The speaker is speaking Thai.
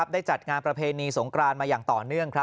ได้จัดงานประเพณีสงกรานมาอย่างต่อเนื่อง